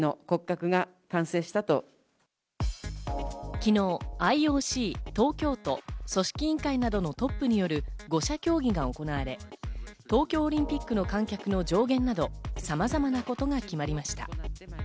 昨日、ＩＯＣ、東京都、組織委員会などのトップによる５者協議が行われ、東京オリンピックの観客の上限など、さまざまなことが決まりました。